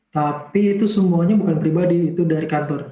tapi itu semuanya bukan pribadi itu dari kantor